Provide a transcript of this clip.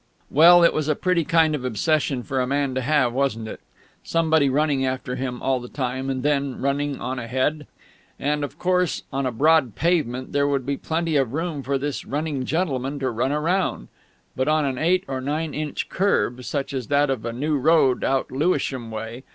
Well, it was a pretty kind of obsession for a man to have, wasn't it? Somebody running after him all the time, and then ... running on ahead? And, of course, on a broad pavement there would be plenty of room for this running gentleman to run round; but on an eight or nine inch kerb, such as that of the new road out Lewisham way